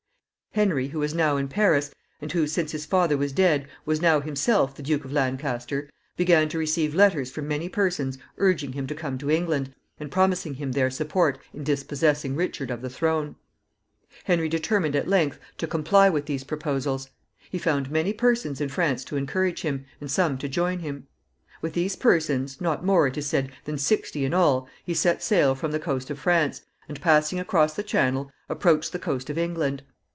Henry, who was now in Paris, and who, since his father was dead, was now himself the Duke of Lancaster, began to receive letters from many persons urging him to come to England, and promising him their support in dispossessing Richard of the throne. Henry determined at length to comply with these proposals. He found many persons in France to encourage him, and some to join him. With these persons, not more, it is said, than sixty in all, he set sail from the coast of France, and, passing across the Channel, approached the coast of England.